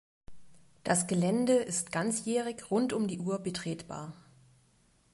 Das Gelände ist ganzjährig rund um die Uhr betretbar.